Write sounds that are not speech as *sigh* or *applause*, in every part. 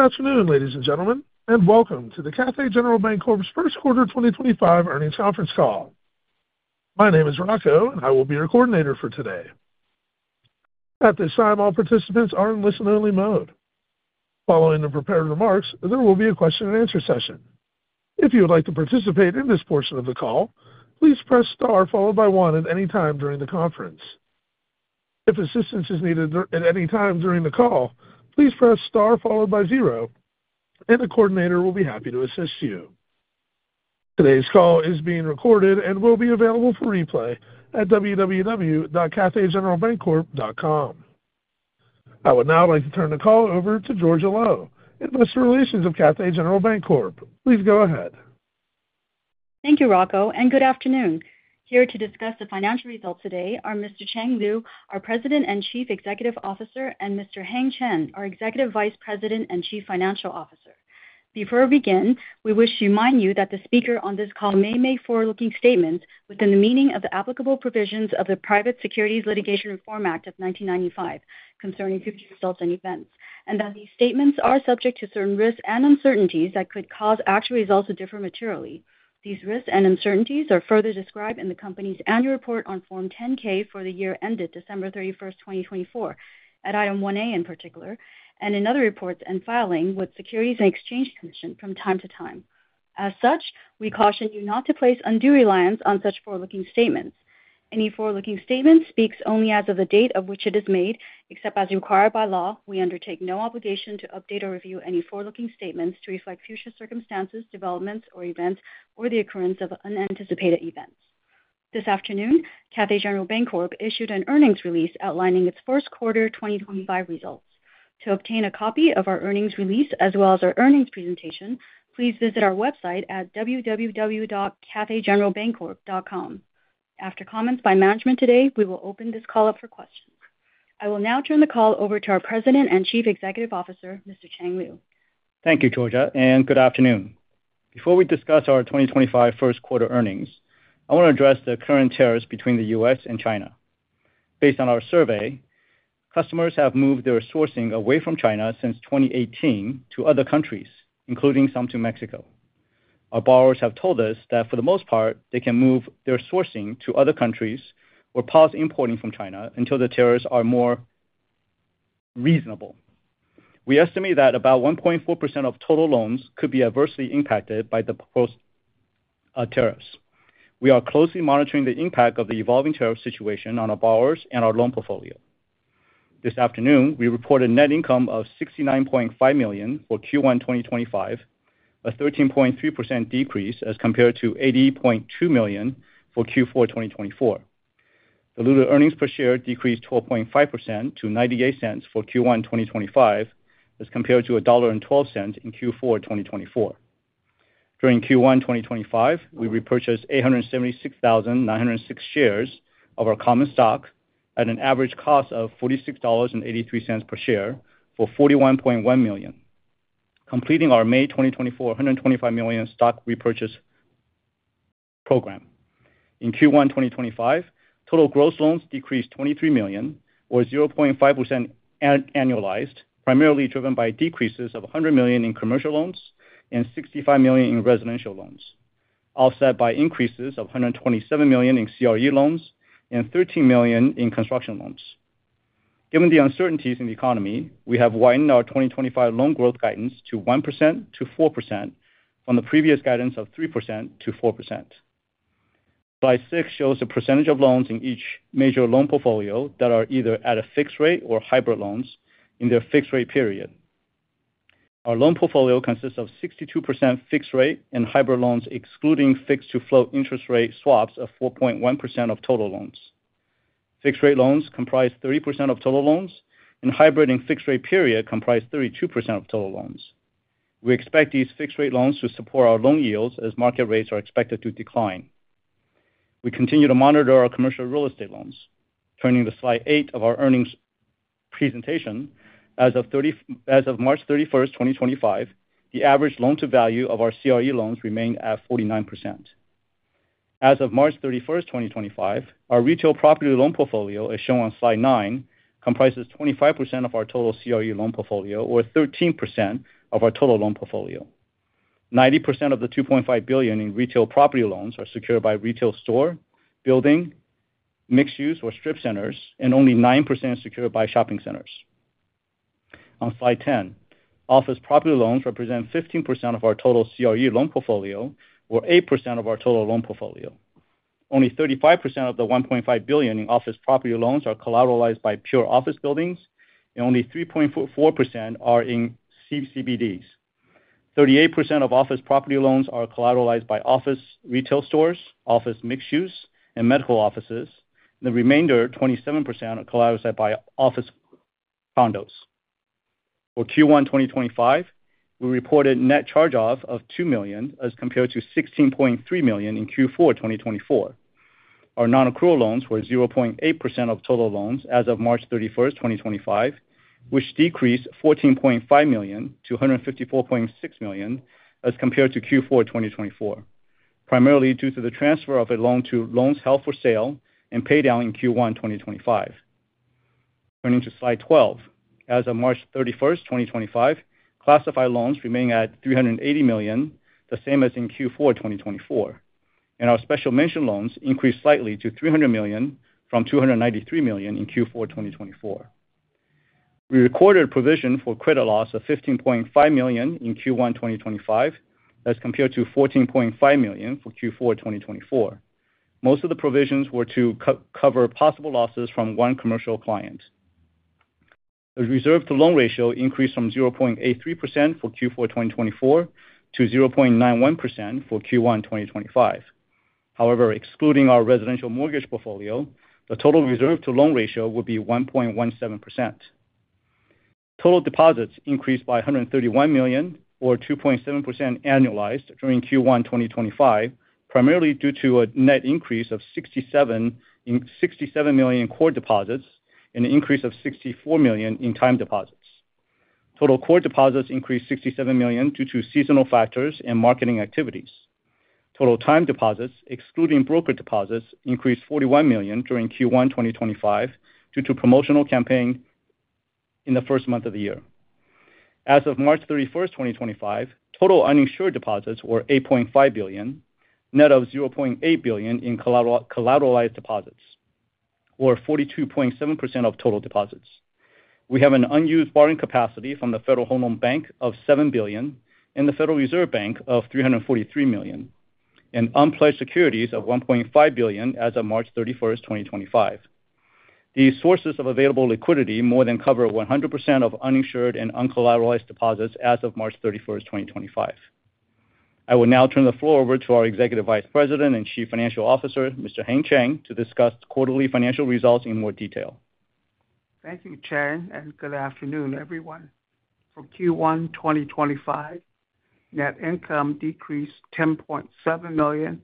Good afternoon, ladies and gentlemen, and welcome to the Cathay General Bancorp's first quarter 2025 earnings conference call. My name is Rocco and I will be your coordinator for today. At this time, all participants are in listen-only mode. Following the prepared remarks, there will be a question-and-answer session. If you would like to participate in this portion of the call, please press star followed by one at any time during the conference. If assistance is needed at any time during the call, please press star followed by zero and a coordinator will be happy to assist you. Today's call is being recorded and will be available for replay at www.cathaygeneralbancorp.com. I would now like to turn the call over to Georgia Lo, Investor Relations of Cathay General Bancorp. Please go ahead. Thank you, Rocco, and good afternoon. Here to discuss the financial results today are Mr. Chang Liu, our President and Chief Executive Officer, and Mr. Heng Chen, our Executive Vice President and Chief Financial Officer. Before we begin, we wish to remind you that the speaker on this call may make forward-looking statements within the meaning of the applicable provisions of the Private Securities Litigation Reform Act of 1995 concerning future results and events, and that these statements are subject to certain risks and uncertainties that could cause actual results to differ materially. These risks and uncertainties are further described in the company's annual report on Form 10-K for the year ended December 31, 2024, at item 1A in particular, and in other reports and filing with the Securities and Exchange Commission from time to time. As such, we caution you not to place undue reliance on such forward-looking statements. Any forward-looking statement speaks only as of the date of which it is made, except as required by law. We undertake no obligation to update or review any forward-looking statements to reflect future circumstances, developments, or events, or the occurrence of unanticipated events. This afternoon, Cathay General Bancorp issued an earnings release outlining its first quarter 2025 results. To obtain a copy of our earnings release as well as our earnings presentation, please visit our website at www.cathaygeneralbancorp.com. After comments by management today, we will open this call up for questions. I will now turn the call over to our President and Chief Executive Officer, Mr. Chang Liu. Thank you, Georgia, and good afternoon. Before we discuss our 2025 first quarter earnings, I want to address the current tariffs between the U.S. and China. Based on our survey, customers have moved their sourcing away from China since 2018 to other countries, including some to Mexico. Our borrowers have told us that for the most part, they can move their sourcing to other countries or pause importing from China until the tariffs are more reasonable. We estimate that about 1.4% of total loans could be adversely impacted by the tariffs. We are closely monitoring the impact of the evolving tariff situation on our borrowers and our loan portfolio. This afternoon, we reported net income of $69.5 million for Q1 2025, a 13.3% decrease as compared to $80.2 million for Q4 2024. The diluted earnings per share decreased 12.5% to $0.98 for Q1 2025 as compared to $1.12 in Q4 2024. During Q1 2025, we repurchased 876,906 shares of our common stock at an average cost of $46.83 per share for $41.1 million, completing our May 2024 $125 million stock repurchase program. In Q1 2025, total gross loans decreased $23 million, or 0.5% annualized, primarily driven by decreases of $100 million in commercial loans and $65 million in residential loans, offset by increases of $127 million in CRE loans and $13 million in construction loans. Given the uncertainties in the economy, we have widened our 2025 loan growth guidance to 1%-4% from the previous guidance of 3%-4%. Slide 6 shows the percentage of loans in each major loan portfolio that are either at a fixed rate or hybrid loans in their fixed rate period. Our loan portfolio consists of 62% fixed rate and hybrid loans excluding fixed-to-float interest rate swaps of 4.1% of total loans. Fixed rate loans comprise 30% of total loans, and hybrid and fixed rate period comprise 32% of total loans. We expect these fixed rate loans to support our loan yields as market rates are expected to decline. We continue to monitor our commercial real estate loans. Turning to slide 8 of our earnings presentation, as of March 31, 2025, the average loan-to-value of our CRE loans remained at 49%. As of March 31, 2025, our retail property loan portfolio, as shown on slide 9, comprises 25% of our total CRE loan portfolio, or 13% of our total loan portfolio. 90% of the $2.5 billion in retail property loans are secured by retail store, building, mixed-use, or strip centers, and only 9% secured by shopping centers. On slide 10, office property loans represent 15% of our total CRE loan portfolio, or 8% of our total loan portfolio. Only 35% of the $1.5 billion in office property loans are collateralized by pure office buildings, and only 3.4% are in CBDs. 38% of office property loans are collateralized by office retail stores, office mixed-use, and medical offices. The remainder, 27%, are collateralized by office condos. For Q1 2025, we reported net charge-off of $2 million as compared to $16.3 million in Q4 2024. Our non-accrual loans were 0.8% of total loans as of March 31, 2025, which decreased $14.5 million to $154.6 million as compared to Q4 2024, primarily due to the transfer of a loan to Loans Held for Sale and paydown in Q1 2025. Turning to slide 12, as of March 31, 2025, classified loans remain at $380 million, the same as in Q4 2024, and our special mention loans increased slightly to $300 million from $293 million in Q4 2024. We recorded provision for credit loss of $15.5 million in Q1 2025 as compared to $14.5 million for Q4 2024. Most of the provisions were to cover possible losses from one commercial client. The reserve-to-loan ratio increased from 0.83% for Q4 2024 to 0.91% for Q1 2025. However, excluding our residential mortgage portfolio, the total reserve-to-loan ratio would be 1.17%. Total deposits increased by $131 million, or 2.7% annualized, during Q1 2025, primarily due to a net increase of $67 million in core deposits and an increase of $64 million in time deposits. Total core deposits increased $67 million due to seasonal factors and marketing activities. Total time deposits, excluding brokered deposits, increased $41 million during Q1 2025 due to promotional campaigns in the first month of the year. As of March 31, 2025, total uninsured deposits were $8.5 billion, net of $0.8 billion in collateralized deposits, or 42.7% of total deposits. We have an unused borrowing capacity from the Federal Home Loan Bank of $7 billion and the Federal Reserve Bank of $343 million, and unpledged securities of $1.5 billion as of March 31, 2025. These sources of available liquidity more than cover 100% of uninsured and uncollateralized deposits as of March 31, 2025. I will now turn the floor over to our Executive Vice President and Chief Financial Officer, Mr. Heng Chen, to discuss quarterly financial results in more detail. Thank you, Chang, and good afternoon, everyone. For Q1 2025, net income decreased $10.7 million,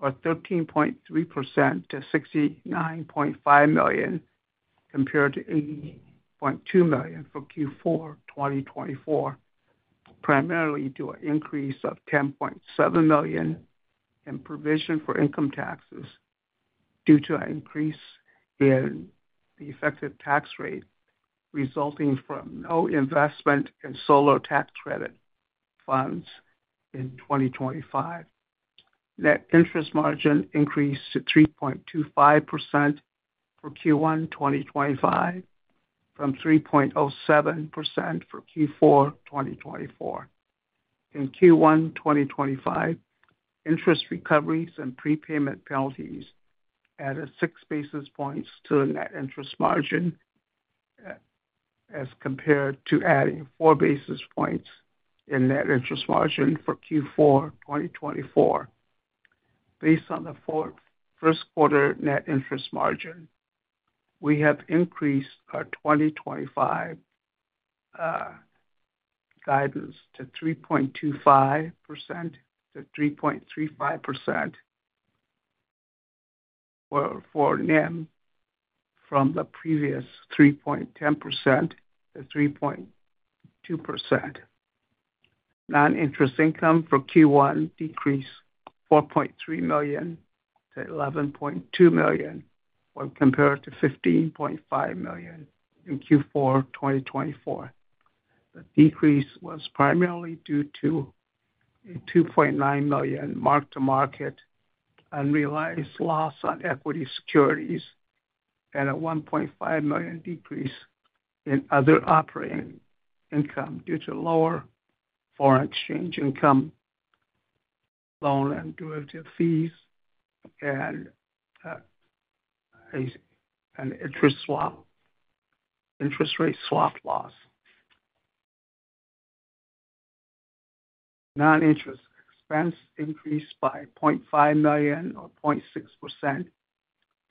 or 13.3%, to $69.5 million compared to $80.2 million for Q4 2024, primarily due to an increase of $10.7 million in provision for income taxes due to an increase in the effective tax rate resulting from no investment in solar tax credit funds in 2025. Net interest margin increased to 3.25% for Q1 2025 from 3.07% for Q4 2024. In Q1 2025, interest recoveries and prepayment penalties added six basis points to the net interest margin as compared to adding four basis points in net interest margin for Q4 2024. Based on the first quarter net interest margin, we have increased our 2025 guidance to 3.25%-3.35% for NIM from the previous 3.10%-3.2%. Non-interest income for Q1 decreased $4.3 million to $11.2 million when compared to $15.5 million in Q4 2024. The decrease was primarily due to a $2.9 million mark-to-market unrealized loss on equity securities and a $1.5 million decrease in other operating income due to lower foreign exchange income, loan and derivative fees, and an interest rate swap loss. Non-interest expense increased by $0.5 million, or 0.6%,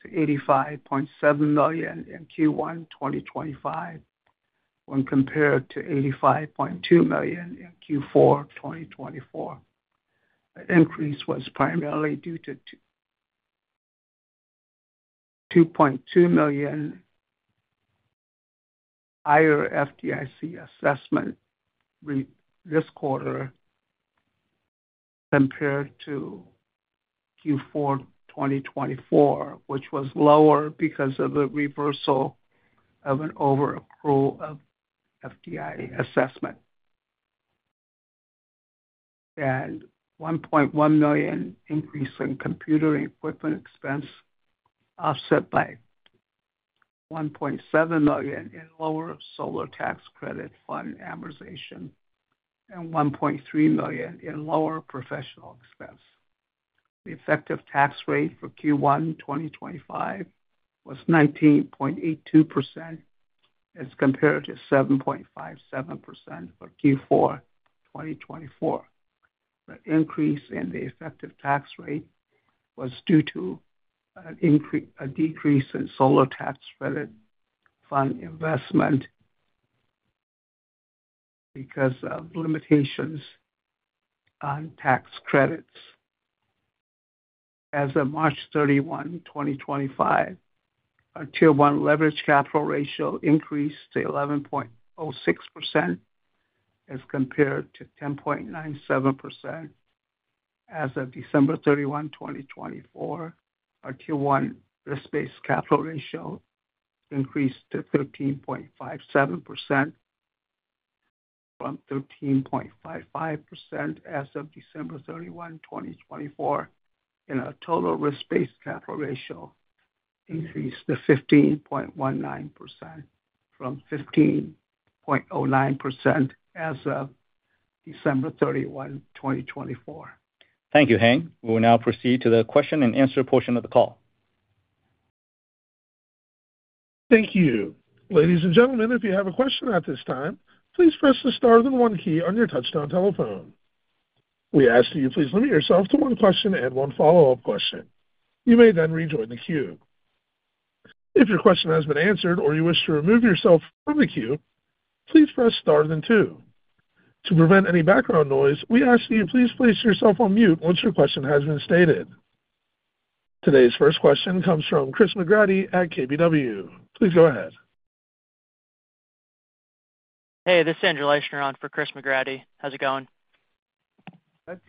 to $85.7 million in Q1 2025 when compared to $85.2 million in Q4 2024. The increase was primarily due to $2.2 million higher FDIC assessment this quarter compared to Q4 2024, which was lower because of the reversal of an overaccrual of FDIC assessment. A $1.1 million increase in computer equipment expense was offset by $1.7 million in lower solar tax credit fund amortization and $1.3 million in lower professional expense. The effective tax rate for Q1 2025 was 19.82% as compared to 7.57% for Q4 2024. The increase in the effective tax rate was due to a decrease in solar tax credit fund investment because of limitations on tax credits. As of March 31, 2025, our Tier 1 leverage capital ratio increased to 11.06% as compared to 10.97%. As of December 31, 2024, our Tier 1 risk-based capital ratio increased to 13.57% from 13.55% as of December 31, 2024, and our total risk-based capital ratio increased to 15.19% from 15.09% as of December 31, 2024. Thank you, Heng. We will now proceed to the question-and-answer portion of the call. Thank you. Ladies and gentlemen, if you have a question at this time, please press the star then one key on your touch-tone telephone. We ask that you please limit yourself to one question and one follow-up question. You may then rejoin the queue. If your question has been answered or you wish to remove yourself from the queue, please press star then two. To prevent any background noise, we ask that you please place yourself on mute once your question has been stated. Today's first question comes from Chris McGratty at KBW. Please go ahead. Hey, this is Andrew Leischner on for Chris McGratty. How's it going? Okay.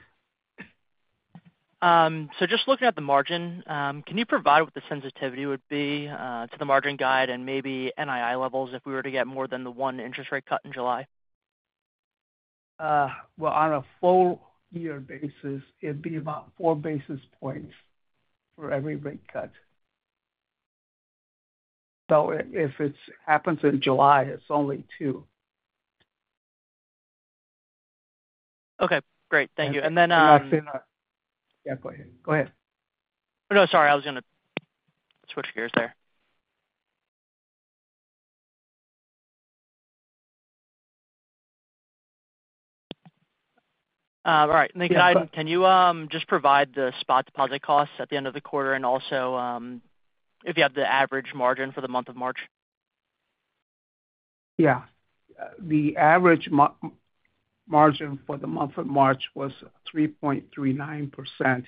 Just looking at the margin, can you provide what the sensitivity would be to the margin guide and maybe NII levels if we were to get more than the one interest rate cut in July? On a full-year basis, it'd be about four basis points for every rate cut. Though if it happens in July, it's only two. Okay. Great. Thank you. Then. *crosstalk* Yeah, go ahead. Go ahead. Oh, no, sorry. I was going to switch gears there. All right. Thank you, Heng. Can you just provide the spot deposit costs at the end of the quarter and also if you have the average margin for the month of March? Yeah. The average margin for the month of March was 3.39%.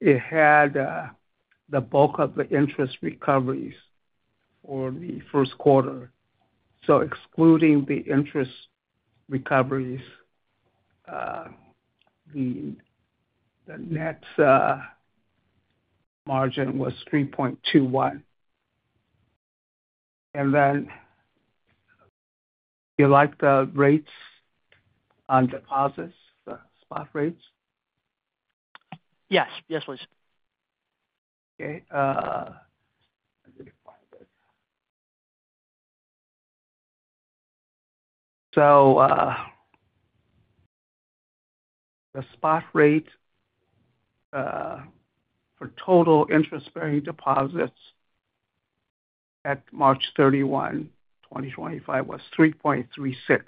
It had the bulk of the interest recoveries for the first quarter. Excluding the interest recoveries, the net margin was 3.21%. You like the rates on deposits, the spot rates? Yes. Yes, please. Okay. The spot rate for total interest-bearing deposits at March 31, 2025 was 3.36%.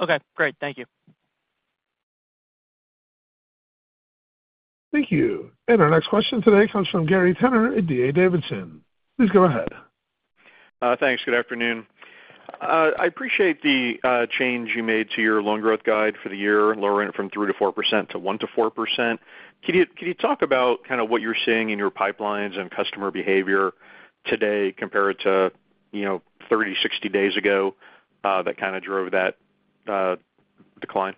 Okay. Great. Thank you. Thank you. Our next question today comes from Gary Tenner at D.A. Davidson. Please go ahead. Thanks. Good afternoon. I appreciate the change you made to your loan growth guide for the year, lowering it from 3-4% to 1-4%. Can you talk about kind of what you're seeing in your pipelines and customer behavior today compared to 30, 60 days ago that kind of drove that decline?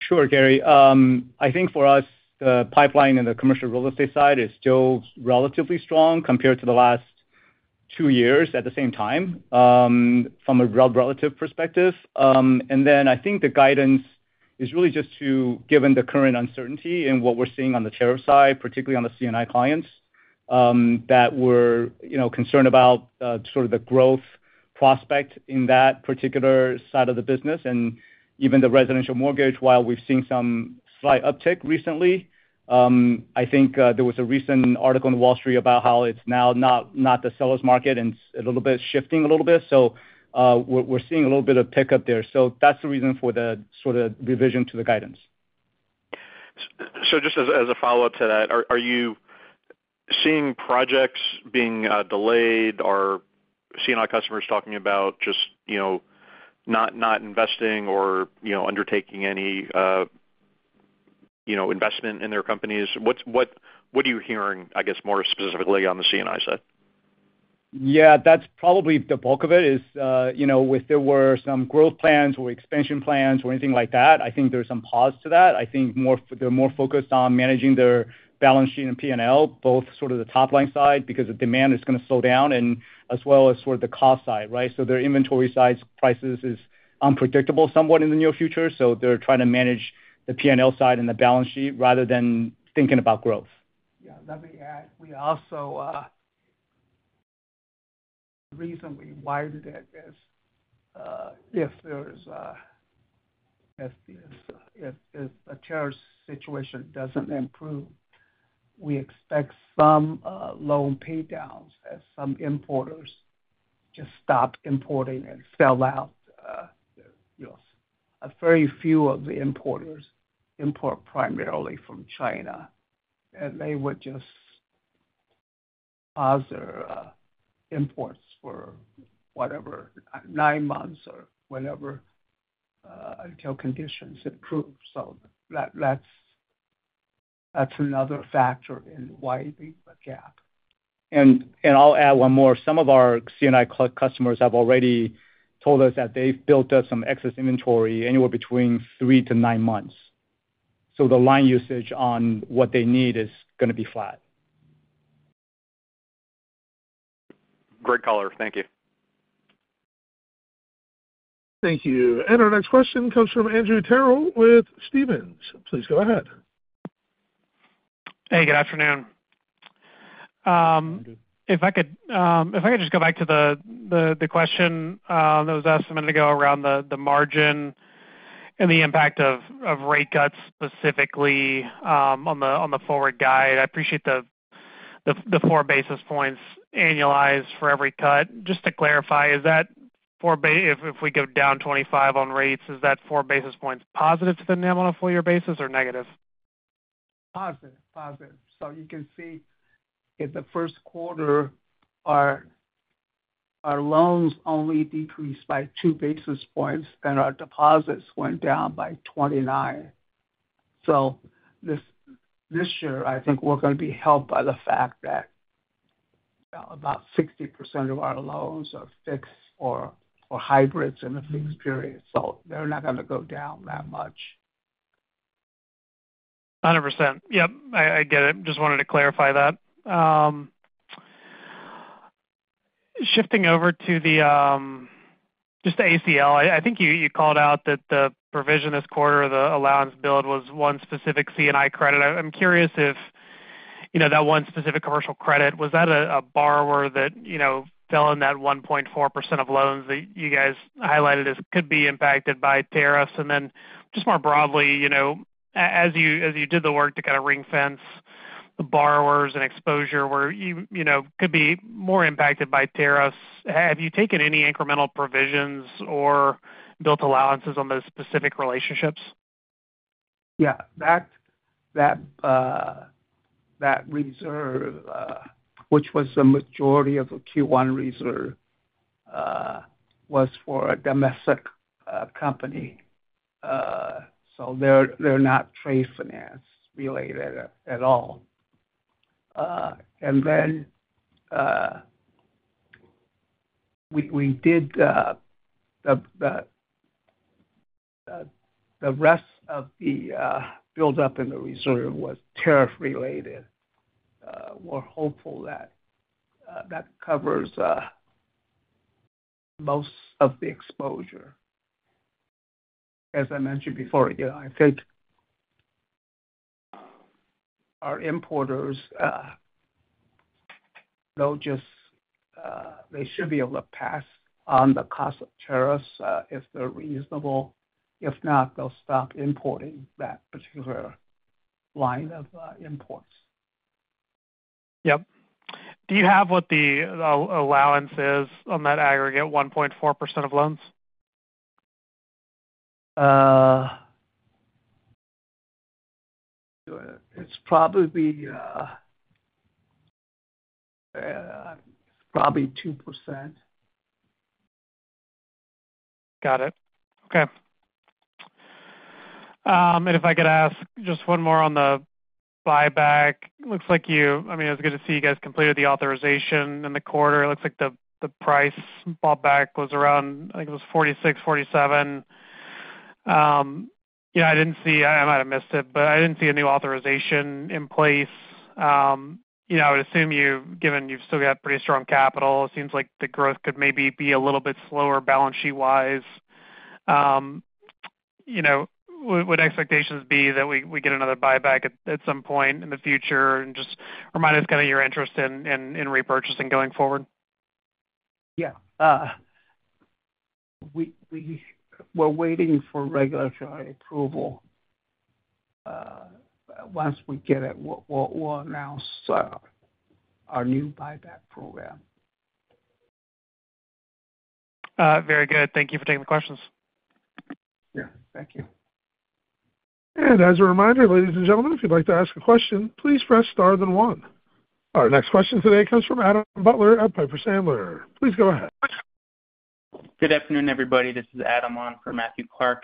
Sure, Gary. I think for us, the pipeline in the commercial real estate side is still relatively strong compared to the last two years at the same time from a relative perspective. I think the guidance is really just to, given the current uncertainty and what we're seeing on the tariff side, particularly on the C&I clients, that we're concerned about sort of the growth prospect in that particular side of the business and even the residential mortgage. While we've seen some slight uptick recently, I think there was a recent article in The Wall Street about how it's now not the seller's market and a little bit shifting a little bit. We're seeing a little bit of pickup there. That's the reason for the sort of revision to the guidance. Just as a follow-up to that, are you seeing projects being delayed or seeing our customers talking about just not investing or undertaking any investment in their companies? What are you hearing, I guess, more specifically on the C&I side? Yeah. That's probably the bulk of it. If there were some growth plans or expansion plans or anything like that, I think there's some pause to that. I think they're more focused on managing their balance sheet and P&L, both sort of the top-line side because the demand is going to slow down, as well as sort of the cost side, right? Their inventory side's prices is unpredictable somewhat in the near future. They're trying to manage the P&L side and the balance sheet rather than thinking about growth. Yeah. Let me add, we also reasonably wired it as if there's a tariff situation that doesn't improve, we expect some loan paydowns as some importers just stop importing and sell out. A very few of the importers import primarily from China, and they would just pause their imports for whatever, nine months or whatever, until conditions improve. That is another factor in widening the gap. I'll add one more. Some of our C&I customers have already told us that they've built up some excess inventory anywhere between three to nine months. The line usage on what they need is going to be flat. Great color. Thank you. Thank you. Our next question comes from Andrew Terrell with Stephens. Please go ahead. Hey, good afternoon. If I could just go back to the question that was asked a minute ago around the margin and the impact of rate cuts specifically on the forward guide. I appreciate the four basis points annualized for every cut. Just to clarify, if we go down 25 on rates, is that four basis points positive to the NIM on a four-year basis or negative? Positive. Positive. You can see in the first quarter, our loans only decreased by two basis points, and our deposits went down by 29. This year, I think we're going to be helped by the fact that about 60% of our loans are fixed or hybrids in the fixed period. They're not going to go down that much. 100%. Yep. I get it. Just wanted to clarify that. Shifting over to just the ACL, I think you called out that the provision this quarter, the allowance build, was one specific C&I credit. I'm curious if that one specific commercial credit, was that a borrower that fell in that 1.4% of loans that you guys highlighted as could be impacted by tariffs? Just more broadly, as you did the work to kind of ring-fence the borrowers and exposure where it could be more impacted by tariffs, have you taken any incremental provisions or built allowances on those specific relationships? Yeah. That reserve, which was the majority of the Q1 reserve, was for a domestic company. They are not trade finance-related at all. The rest of the build-up in the reserve was tariff-related. We are hopeful that that covers most of the exposure. As I mentioned before, I think our importers, they should be able to pass on the cost of tariffs if they are reasonable. If not, they will stop importing that particular line of imports. Yep. Do you have what the allowance is on that aggregate, 1.4% of loans? It's probably 2%. Got it. Okay. If I could ask just one more on the buyback, it looks like you—I mean, it was good to see you guys completed the authorization in the quarter. It looks like the price bought back was around, I think it was $46, $47. Yeah, I didn't see—I might have missed it, but I didn't see a new authorization in place. I would assume you, given you've still got pretty strong capital, it seems like the growth could maybe be a little bit slower balance sheet-wise. Would expectations be that we get another buyback at some point in the future? Just remind us kind of your interest in repurchasing going forward. Yeah. We're waiting for regulatory approval. Once we get it, we'll announce our new buyback program. Very good. Thank you for taking the questions. Yeah. Thank you. As a reminder, ladies and gentlemen, if you'd like to ask a question, please press star then one. Our next question today comes from Adam Butler at Piper Sandler. Please go ahead. Good afternoon, everybody. This is Adam on for Matthew Clark.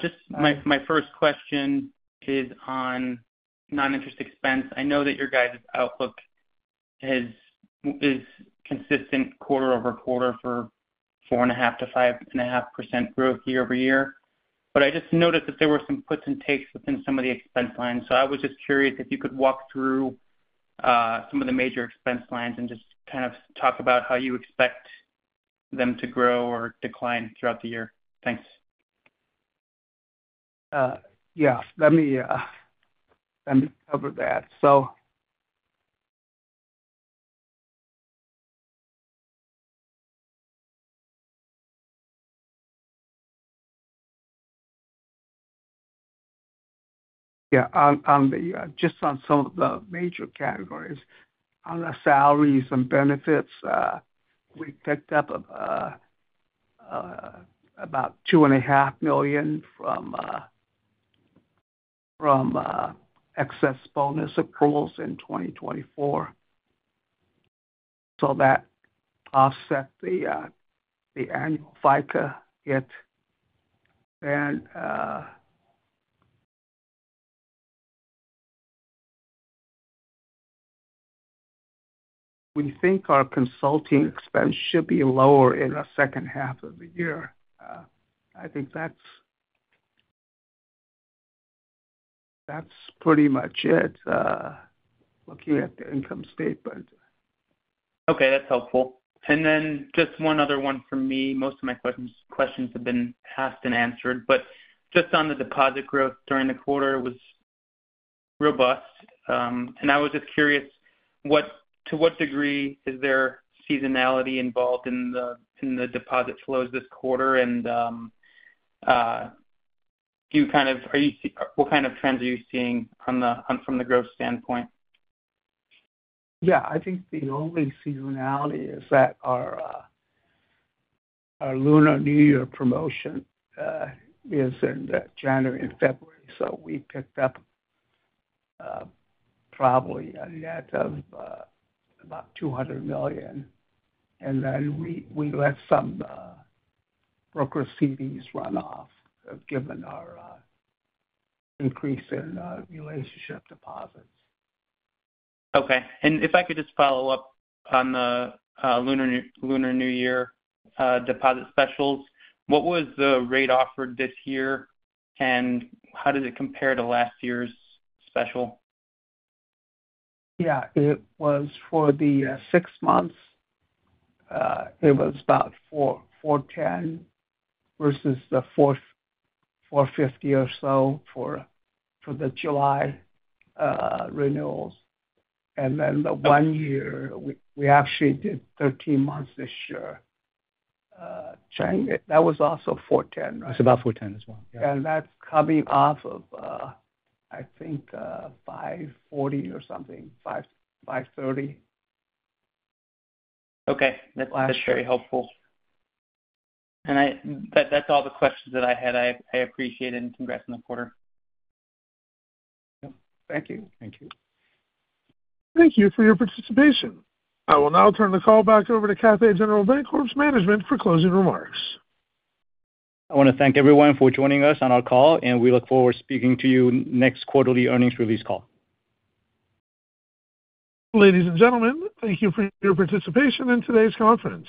Just my first question is on non-interest expense. I know that your guys' outlook is consistent quarter over quarter for 4.5%-5.5% growth year-over-year. I just noticed that there were some puts and takes within some of the expense lines. I was just curious if you could walk through some of the major expense lines and just kind of talk about how you expect them to grow or decline throughout the year. Thanks. Yeah. Let me cover that. Yeah, just on some of the major categories. On the salaries and benefits, we picked up about $2.5 million from excess bonus accruals in 2024. That offset the annual FICA hit. We think our consulting expense should be lower in the second half of the year. I think that's pretty much it looking at the income statement. Okay. That's helpful. Just one other one for me. Most of my questions have been asked and answered. Just on the deposit growth during the quarter, it was robust. I was just curious, to what degree is there seasonality involved in the deposit flows this quarter? Do you kind of—what kind of trends are you seeing from the growth standpoint? Yeah. I think the only seasonality is that our Lunar New Year promotion is in January and February. We picked up probably a net of about $200 million. We let some broker CDs run off given our increase in relationship deposits. Okay. If I could just follow up on the Lunar New Year deposit specials, what was the rate offered this year, and how did it compare to last year's special? Yeah. For the six months, it was about 4.10 versus the 4.50 or so for the July renewals. And then the one year, we actually did 13 months this year. That was also 4.10, right? It's about 4.10 as well. That's coming off of, I think, 5.40 or something, 5.30. Okay. That's very helpful. That's all the questions that I had. I appreciate it and congrats on the quarter. Yep. Thank you. Thank you. Thank you for your participation. I will now turn the call back over to Cathay General Bancorp's management for closing remarks. I want to thank everyone for joining us on our call, and we look forward to speaking to you next quarterly earnings release call. Ladies and gentlemen, thank you for your participation in today's conference.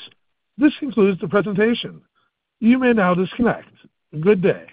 This concludes the presentation. You may now disconnect. Good day.